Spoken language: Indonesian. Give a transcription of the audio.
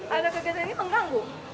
ada kegiatan ini mengganggu